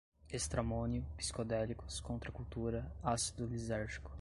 estramônio, psicodélicos, contracultura, ácido lisérgico